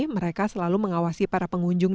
mereka selalu mengawasi para pengunjung